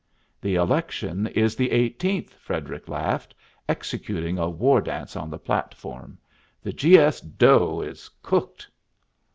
"The election is the eighteenth," Frederic laughed, executing a war dance on the platform. "The G. S.'s dough is cooked."